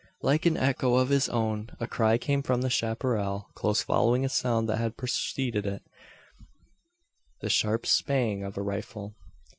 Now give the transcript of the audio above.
Like an echo of his own, a cry came from the chapparal, close following a sound that had preceded it the sharp "spang" of a rifle.